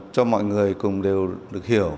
cho mọi người cùng đều được hiểu